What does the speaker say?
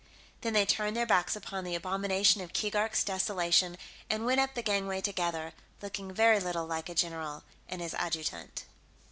Then they turned their backs upon the abomination of Keegark's desolation and went up the gangway together, looking very little like a general and his adjutant.